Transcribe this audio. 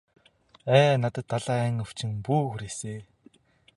Ай надад далайн өвчин бүү хүрээсэй.